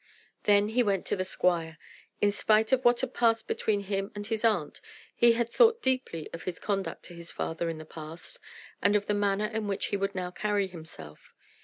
Then he went to the squire. In spite of what had passed between him and his aunt, he had thought deeply of his conduct to his father in the past, and of the manner in which he would now carry himself.